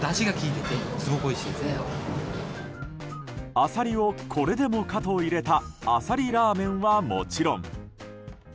アサリをこれでもかと入れたあさりラーメンはもちろん。